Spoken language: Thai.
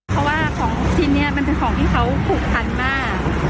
เพราะว่าของชิ้นนี้มันเป็นของที่เขาผูกพันมาก